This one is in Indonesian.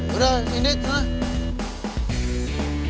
udah ini tuh